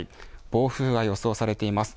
暴風が予想されています。